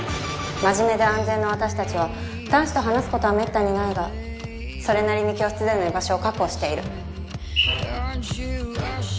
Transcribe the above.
真面目で安全な私たちは男子と話すことは滅多にないがそれなりに教室での居場所を確保している。